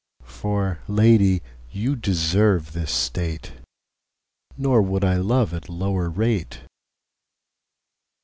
For Lady you deserve this State; Nor would I love at lower rate.